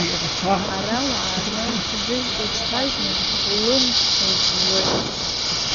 Ара уааны ҳӡыжь уҽҭажьны улымт уӡәӡәоит.